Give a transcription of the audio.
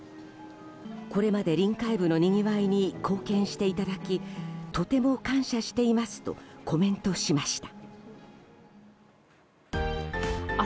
これまで臨海部のにぎわいに貢献していただきとても感謝していますとコメントしました。